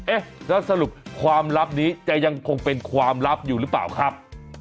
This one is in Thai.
เอ๊ะแล้วสรุปความลับนี้จะยังคงเป็นความลับอยู่หรือเปล่าครับ